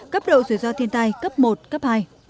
cấp độ rủi ro thiên tai cấp một cấp hai